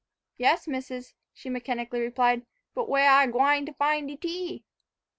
"Yes, misses," she mechanically replied, "but wey I gwine fin' de tea?"